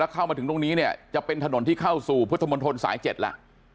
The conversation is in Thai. เข้ามาถึงตรงนี้เนี่ยจะเป็นถนนที่เข้าสู่พุทธมนตรสาย๗แล้ว